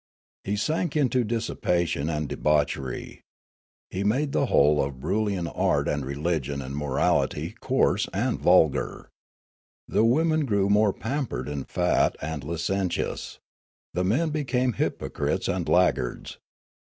He sank into dissipation and debauchery. He made the whole of Broolyian art and religion and morality coarse and vulgar. The women grew more pampered and fat and licentious ; the men became hypocrites and laggards.